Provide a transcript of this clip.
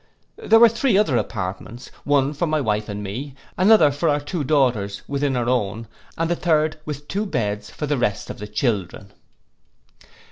There were three other apartments, one for my wife and me, another for our two daughters, within our own, and the third, with two beds, for the rest of the children.